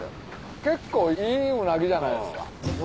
結構いいウナギじゃないですか。